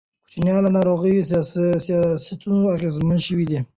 کوچیان له ناوړه سیاستونو اغېزمن شوي دي.